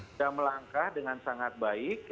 sudah melangkah dengan sangat baik